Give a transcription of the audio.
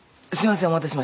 お待たせしましたはい。